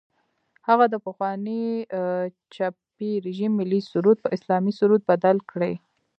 هغه د پخواني چپي رژیم ملي سرود په اسلامي سرود بدل کړي.